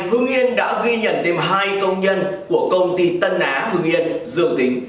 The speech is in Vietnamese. hưng yên đã ghi nhận thêm hai công nhân của công ty tân á hương yên dương tính